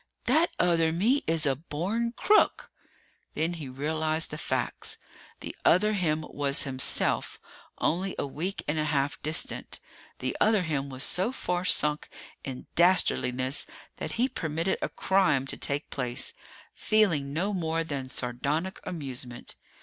That other me is a born crook!" Then he realized the facts. The other him was himself, only a week and a half distant. The other him was so far sunk in dastardliness that he permitted a crime to take place, feeling no more than sardonic amusement.